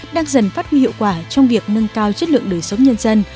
đang dần phát huy hiệu quả trong việc nâng cao chất lượng đời sống nhân dân